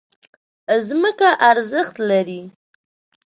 ځمکه ارزښت لري.